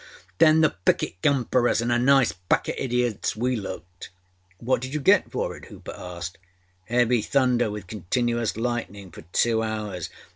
Then the picket came for us anâ a nice pack oâ idiots we looked!â âWhat did you get for it?â Hooper asked. âHeavy thunder with continuous lightning for two hours.